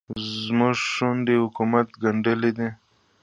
زموږ شونډې حکومت ګنډلې دي.